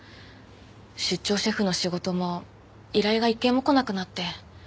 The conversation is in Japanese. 出張シェフの仕事も依頼が一件も来なくなって。